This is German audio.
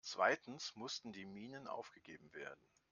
Zweitens mussten die Minen aufgegeben werden.